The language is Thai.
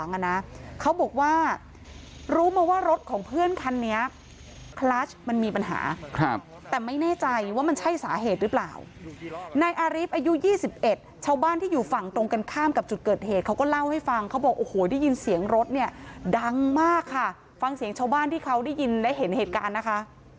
นายอาริฟต์อายุ๒๑ชาวบ้านที่อยู่ฝั่งตรงกันข้ามกับจุดเกิดเหตุเขาก็เล่าให้ฟังเขาบอกโอ้โหได้ยินเสียงรถเนี่ยดังมากค่ะฟังเสียงชาวบ้านที่เขาได้ยินและเห็นเหตุการณ์นะคะ